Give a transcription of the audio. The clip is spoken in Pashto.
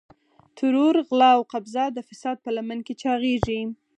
ترور، غلا او قبضه د فساد په لمن کې چاغېږي.